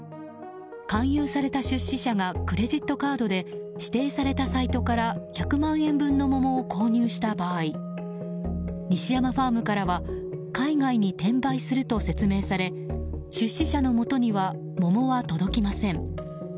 勧誘された出資者がクレジットカードで指定されたサイトから１００万円分の桃を購入した場合西山ファームからは海外に転売すると説明され出資者のもとには桃は届きません。